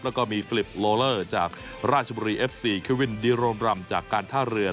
แล้วก็มีฟิลิปโลเลอร์จากราชบุรีเอฟซีเควินดีโรมรำจากการท่าเรือ